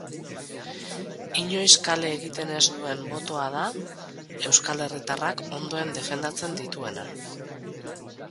Inoiz kale egiten ez duen botoa da, euskal herritarrak ondoen defendatzen dituena.